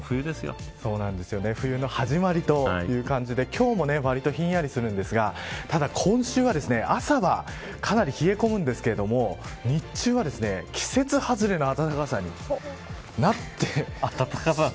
冬の始まりという感じで今日もわりとひんやりするんですがただ今、朝はかなり冷え込むんですけど日中は、季節外れの暖かさになって。